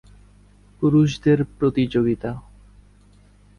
পুরুষদের প্রতিযোগিতা